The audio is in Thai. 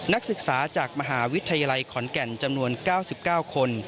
นักศึกษาจากมหาวิทยาลัยขอนแก่นจำนวนเก้าสิบเก้าคน